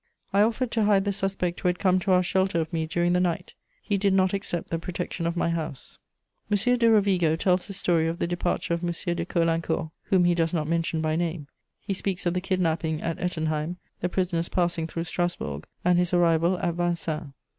I offered to hide the suspect who had come to ask shelter of me during the night; he did not accept the protection of my house. M. de Rovigo tells the story of the departure of M. de Caulaincourt, whom he does not mention by name: he speaks of the kidnapping at Ettenheim, the prisoner's passing through Strasburg, and his arrival at Vincennes.